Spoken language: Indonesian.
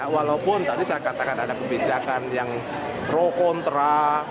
walaupun tadi saya katakan ada kebijakan yang pro kontra